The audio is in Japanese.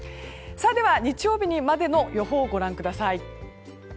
日曜日までの予報をご覧ください。